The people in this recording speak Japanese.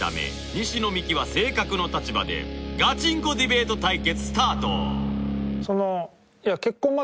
西野未姫は「性格」の立場でガチンコディベート対決スタート！